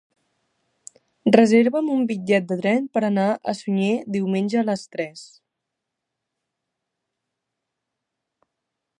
Reserva'm un bitllet de tren per anar a Sunyer diumenge a les tres.